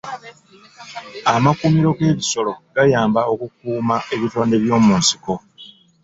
Amakuumiro g'ebisolo gayamba okukuuma ebitonde by'omu nsiko.